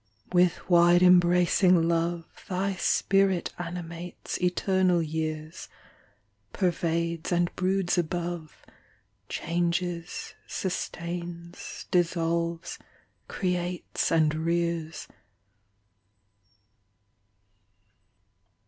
With wide embracing love Thy spirit animates eternal years, Pervades and broods above, Changes, sustains, dissolves, creates, and rears.